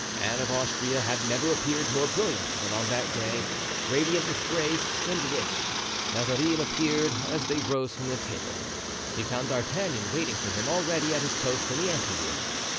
Anne of Austria had never appeared more brilliant than on that day—radiant with grace and wit. Mazarin disappeared as they rose from table. He found D'Artagnan waiting for him already at his post in the ante room.